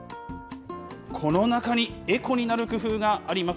この中にエコになる工夫があります。